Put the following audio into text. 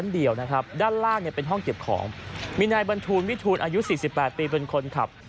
ด้านล่างเป็นห้องเก็บของมีนายบรรทูลวิทูลอายุ๔๘ปีเป็นคนขับ